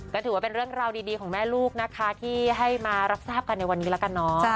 ก็ถือว่าเป็นเรื่องราวดีของแม่ลูกนะคะที่ให้มารับทราบกันในวันนี้แล้วกันเนาะ